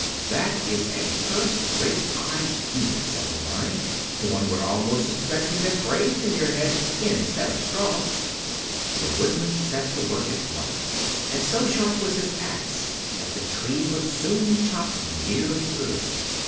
"That is a first rate idea," said the Lion. "One would almost suspect you had brains in your head, instead of straw." The Woodman set to work at once, and so sharp was his axe that the tree was soon chopped nearly through.